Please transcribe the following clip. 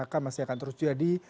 akan masih akan terus jadi